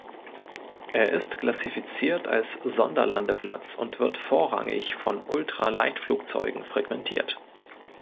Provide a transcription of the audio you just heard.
Er ist klassifiziert als Sonderlandeplatz und wird vorrangig von Ultraleichtflugzeugen frequentiert.